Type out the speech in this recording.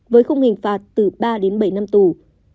với khung hình phạt từ ba đến bảy năm tù